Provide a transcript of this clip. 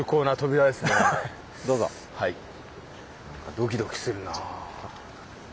ドキドキするなぁ。